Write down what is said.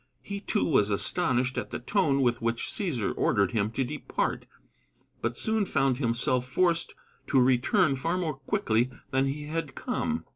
He too was astonished at the tone with which Cæsar ordered him to depart, but soon found himself forced to return far more quickly than he had come.